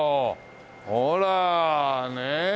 ほらね。